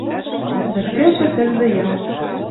Вӹлкӹжӹ тӹлзӹ ял